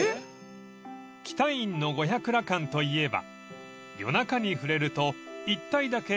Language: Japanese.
［喜多院の五百羅漢といえば］